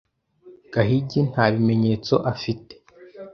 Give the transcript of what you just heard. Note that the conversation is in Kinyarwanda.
Gahigi nta bimenyetso afite.